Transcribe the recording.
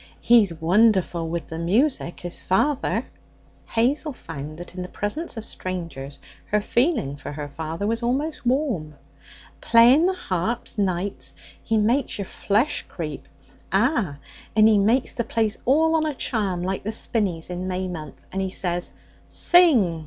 He's wonderful with the music, is father.' Hazel found that in the presence of strangers her feeling for her father was almost warm. 'Playing the harp nights, he makes your flesh creep; ah! and he makes the place all on a charm, like the spinneys in May month. And he says, "Sing!"